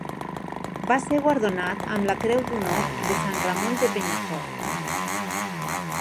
Va ser guardonat amb la Creu d'Honor de Sant Ramon de Penyafort.